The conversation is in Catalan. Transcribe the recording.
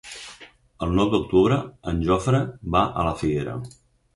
El nou d'octubre en Jofre va a la Figuera.